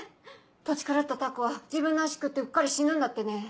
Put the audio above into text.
とち狂ったタコは自分の脚食ってうっかり死ぬんだってね。